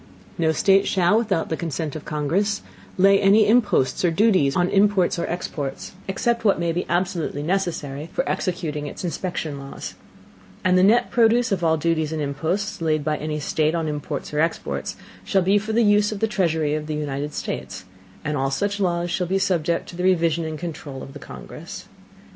No State shall, without the Consent of the Congress, lay any Imposts or Duties on Imports or Exports, except what may be absolutely necessary for executing it's inspection Laws: and the net Produce of all Duties and Imposts, laid by any State on Imports or Exports, shall be for the Use of the Treasury of the United States; and all such Laws shall be subject to the Revision and Controul of the Congress.